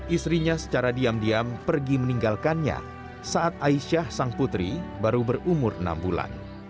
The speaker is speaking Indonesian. istrinya secara diam diam pergi meninggalkannya saat aisyah sang putri baru berumur enam bulan